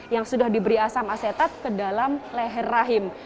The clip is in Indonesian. yang sudah diberi asam asetat ke dalam leher rahim